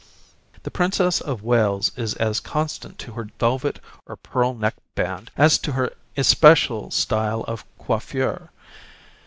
The Princess of Wales is as constant to her velvet or pearl neck band, as to her especial style of coiffure.